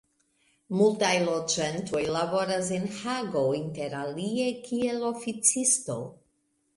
Multaj loĝantoj laboras en Hago interalie kiel oficisto.